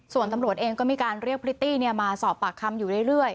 ส่วนตำรวจเองก็มีการเรียกพริตตี้มาสอบปากคำอยู่เรื่อย